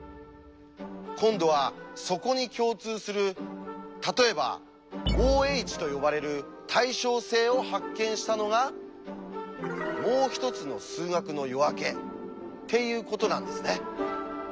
今度はそこに共通する例えば「Ｏ」と呼ばれる「対称性」を発見したのが「もう一つの数学の夜明け」っていうことなんですね。